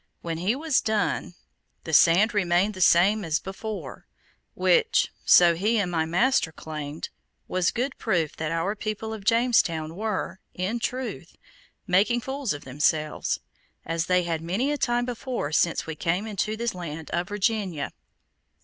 When he was done, the sand remained the same as before, which, so he and my master claimed, was good proof that our people of Jamestown were, in truth, making fools of themselves, as they had many a time before since we came into this land of Virginia.